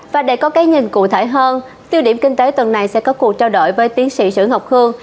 và để có cái nhìn cụ thể hơn tiêu điểm kinh tế tuần này sẽ có cuộc trao đổi với tiến sĩ sử ngọc khương